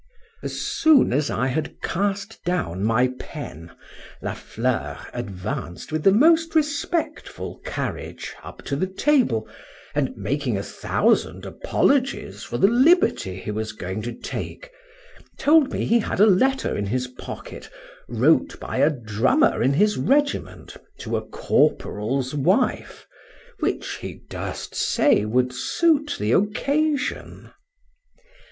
As soon as I had cast down my pen, La Fleur advanced with the most respectful carriage up to the table, and making a thousand apologies for the liberty he was going to take, told me he had a letter in his pocket wrote by a drummer in his regiment to a corporal's wife, which he durst say would suit the occasion.